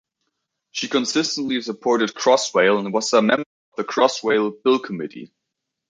She consistently supported Crossrail and was a member of the Crossrail Bill Committee.